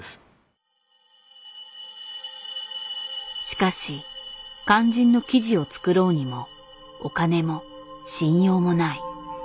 しかし肝心の生地を作ろうにもお金も信用もない。